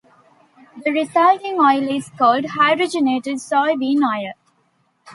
The resulting oil is called hydrogenated soybean oil.